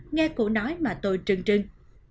nghe cụ nói mà tôi trừng trừng